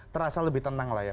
terasa lebih tenang lah ya